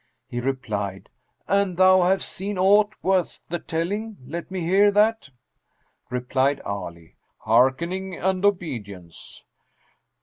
He replied, "An thou have seen aught worth the telling, let me hear that." Replied Ali: "Hearkening and obedience.